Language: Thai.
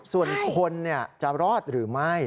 ส่วนคนจะรอดหรือไม่